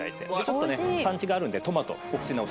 ちょっとねパンチがあるんでトマトお口直しで。